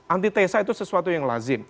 antitesa itu sesuatu yang lazim